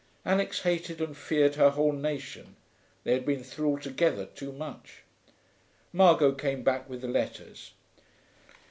Alix hated and feared her whole nation; they had been through altogether too much. Margot came back with the letters.